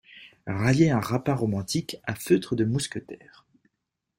Raillait un rapin romantique à feutre de mousquetaire.